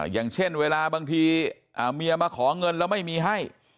อย่างเช่นเวลาบางทีเมียมาขอเงินแล้วไม่มีให้